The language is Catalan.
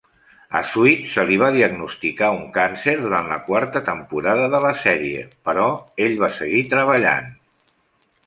A Sweet se li va diagnosticar un càncer durant la quarta temporada de la sèrie, però ell va seguir treballant.